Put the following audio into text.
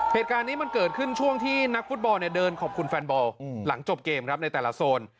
เหตุการณ์นี้มันเกิดขึ้นช่วงที่นักฟุตบอลเนี่ยเดินขอบคุณแฟนบอลหลังจบเกมครับในแต่ละโซน